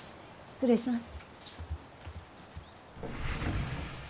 失礼します